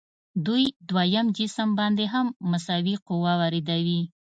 دوی دویم جسم باندې هم مساوي قوه واردوي.